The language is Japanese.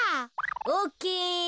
オッケー。